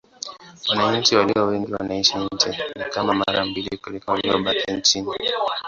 Wananchi walio wengi wanaishi nje: ni kama mara mbili kuliko waliobaki nchini.